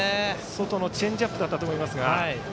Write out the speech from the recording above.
外のチェンジアップだったと思いますが。